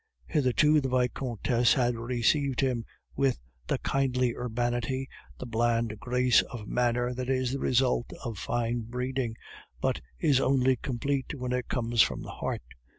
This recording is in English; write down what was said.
Hitherto the Vicomtesse had received him with the kindly urbanity, the bland grace of manner that is the result of fine breeding, but is only complete when it comes from the heart.